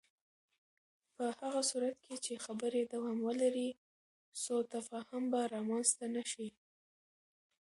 په هغه صورت کې چې خبرې دوام ولري، سوء تفاهم به رامنځته نه شي.